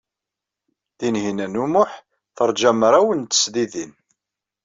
Tinhinan u Muḥ teṛja mraw n tesdidin.